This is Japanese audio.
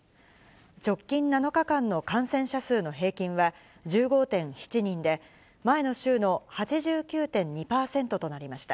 直近７日間の感染者数の平均は１５．７人で、前の週の８９．２％となりました。